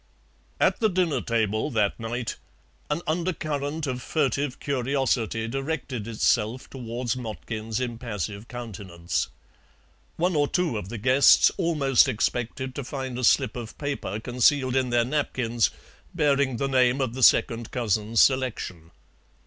At the dinner table that night an undercurrent of furtive curiosity directed itself towards Motkin's impassive countenance. One or two of the guests almost expected to find a slip of paper concealed in their napkins, bearing the name of the second cousin's selection.